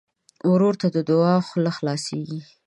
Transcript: ورور ته د دعا خوله خلاصيږي.